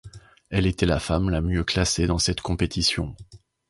Elle était la femme la mieux classée dans cette compétition.